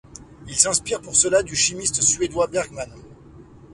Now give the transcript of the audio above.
Il s’inspire pour cela du chimiste suédois Bergman.